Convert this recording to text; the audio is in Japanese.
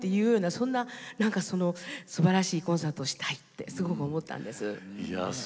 そんなすばらしいコンサートをしたいってすごく思ったんです。